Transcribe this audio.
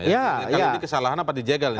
iya kalo ini kesalahan apa dijegal